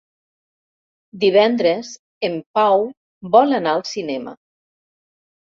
Divendres en Pau vol anar al cinema.